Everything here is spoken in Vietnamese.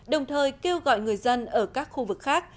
đồng thời kêu gọi người dân ở các khu vực khác